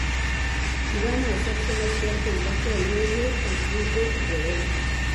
Iban a hacerse más fuertes bajo el medio-Habsburgo Rodolfo.